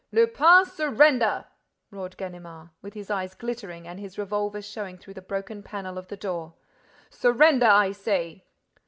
—" "Lupin, surrender!" roared Ganimard, with his eyes glittering and his revolver showing through the broken panel of the door. "Surrender, I say!"